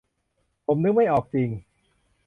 ผมนึกไม่ออกจริง